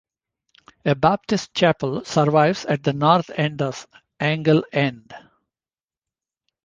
A Baptist chapel survives at the north end of Angle End.